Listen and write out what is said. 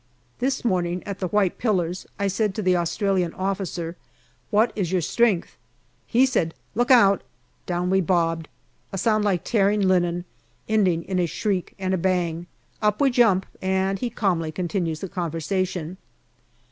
This morning at the white pillars I said to the Australian officer, " What is your strength ?" He said, " Look out !" Down we bobbed. A sound like tearing linen, ending in a shriek and a bang. Up we jump, and he calmly continues the conversation.